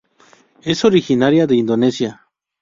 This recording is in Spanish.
Es originaria de Indonesia.